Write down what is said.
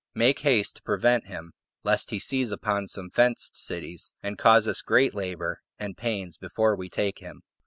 Make haste to prevent him, lest he seize upon some fenced cities, and cause us great labor and pains before we take him."